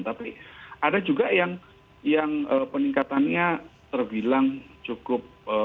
tapi ada juga yang peningkatannya terbilang cukup